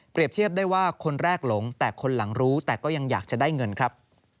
เทียบได้ว่าคนแรกหลงแต่คนหลังรู้แต่ก็ยังอยากจะได้เงินครับ